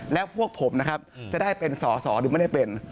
แล้วพวกผมนะครับจะได้เป็นสอสอหรือไม่ได้เป็น